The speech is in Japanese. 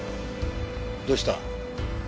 どうした？